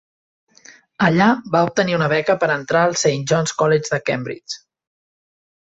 Allà, va obtenir una beca per entrar al Saint John's College de Cambridge.